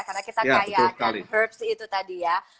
karena kita kaya herbs itu tadi ya